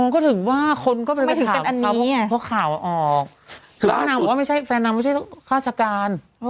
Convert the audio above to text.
อ๋อก็ถึงว่าคนก็ไม่ถึงเป็นอันนี้เพราะข่าวออกถึงว่าไม่ใช่แฟนนางไม่ใช่ฆาตราชการ